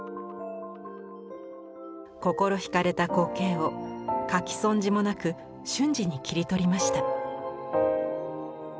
心ひかれた光景をかき損じもなく瞬時に切り取りました。